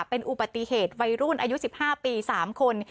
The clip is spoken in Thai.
เป็นอุบัติเหตุวัยรุ่นอายุ๑๕ปี๓คน